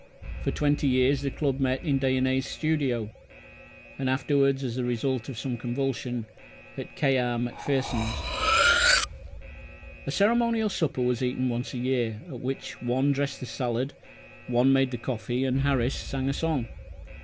For twenty years the club met in Dyonnet's studio, and afterwards, as the result of some convulsion, in K. R. Macpherson's. A ceremonial supper was eaten once a year, at which one dressed the salad, one made the coffee, and Harris sang a song.